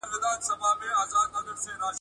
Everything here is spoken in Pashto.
راغی چي په خوب کي مي لیدلی وو زلمی پښتون !.